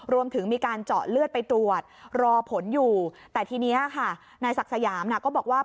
รวมถึงมีการเจาะเลือดไปตรวจรอผลอยู่แต่ทีนี้ค่ะนายศักดิ์สยามก็บอกว่า